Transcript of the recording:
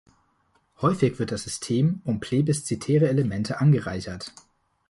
Häufig wird das System um plebiszitäre Elemente angereichert.